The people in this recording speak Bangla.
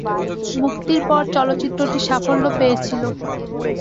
মুক্তির পর চলচ্চিত্রটি সাফল্য পেয়েছিল।